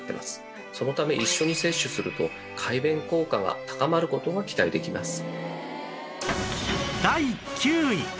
そのため一緒に摂取すると快便効果が高まる事が期待できます。